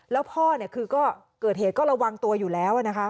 แล้วพ่อคือก็เกิดเหตุก็ระวังตัวอยู่แล้วนะคะ